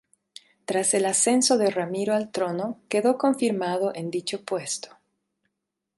Tras el ascenso de Ramiro al trono, quedó confirmado en dicho puesto.